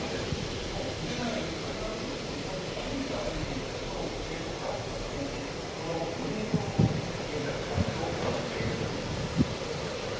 今日の昼前に博多区の路上で１人で歩いていたところを警察官が発見しその後、任意同行し現在、聴取を行っているということです。